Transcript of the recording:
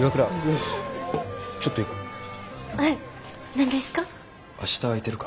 何ですか？